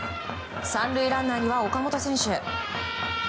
３塁ランナーには岡本選手。